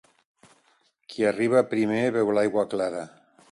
Qui arriba primer beu l'aigua clara.